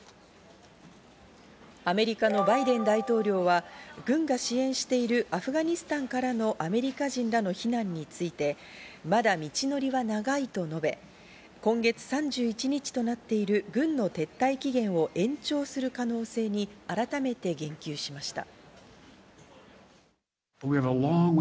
アメリカのバイデン大統領は軍が支援しているアフガニスタンからのアメリカ人らの避難についてまだ道のりは長いと述べ、今月３１日となっている軍の撤退期限を延長する可能性に改めて言及しました。